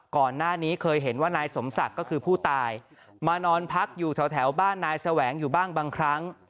ก่อนหน้านี้เคยเห็นว่านายสมศักดิ์ก็คือผู้ตายมานอนพักอยู่แถวบ้านนายแสวงอยู่บ้างบางครั้ง